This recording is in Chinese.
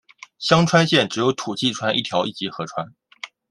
香川县只有土器川一条一级河川。